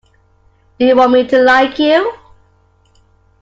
Do you want me to like you?